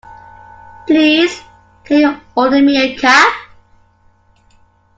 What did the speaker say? Please can you order me a cab?